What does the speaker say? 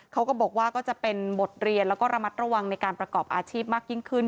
เขาก็บอกว่าก็จะเป็นบทเรียนแล้วก็ระมัดระวังในการประกอบอาชีพมากยิ่งขึ้น